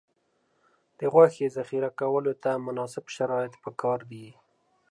د غوښې ذخیره کولو ته مناسب شرایط پکار دي.